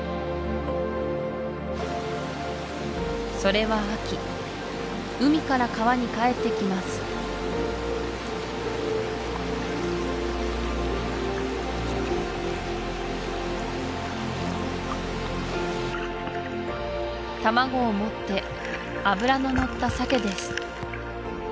それは秋海から川に帰ってきます卵を持って脂ののったサケです